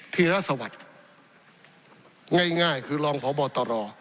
ธีรสวัสดิ์ง่ายคือรองพบตร